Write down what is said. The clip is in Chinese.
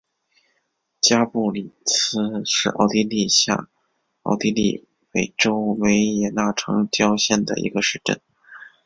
加布里茨是奥地利下奥地利州维也纳城郊县的一个市镇。